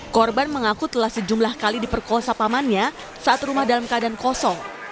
korban mengaku telah sejumlah kali diperkosa pamannya saat rumah dalam keadaan kosong